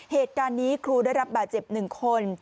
เหตุการณ์นี้ครูได้รับบาดเจ็บ๑คน